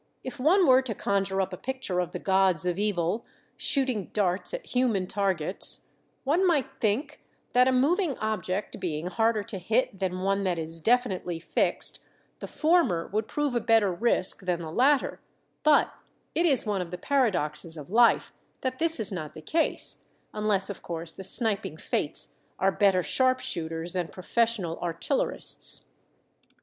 If one were to conjure up a picture of the gods of evil shooting darts at human targets, one might think that, a moving object being harder to hit than one that is definitely fixed, the former would prove a better risk than the latter; but it is one of the paradoxes of life that this is not the case, unless of course the sniping fates are better sharpshooters than professional artillerists.